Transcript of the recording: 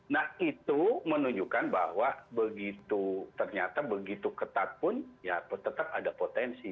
nah itu menunjukkan bahwa begitu ternyata begitu ketat pun ya tetap ada potensi